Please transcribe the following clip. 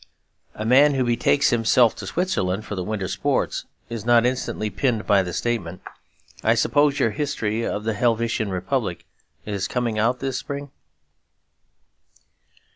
A man who betakes himself to Switzerland for the winter sports is not instantly pinned by the statement, 'I suppose your History of the Helvetian Republic is coming out this spring?'